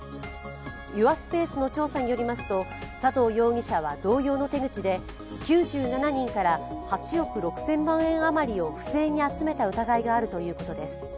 ユアスペースの調査によりますと佐藤容疑者は同様の手口で９７人から８億６０００万円余りを不正に集めた疑いがあるということです。